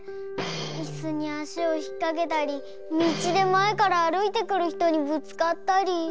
いすにあしをひっかけたりみちでまえからあるいてくるひとにぶつかったり。